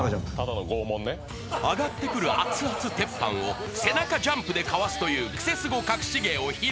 ［上がってくる熱々鉄板を背中ジャンプでかわすというクセスゴかくし芸を披露］